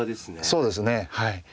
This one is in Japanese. そうですねはい。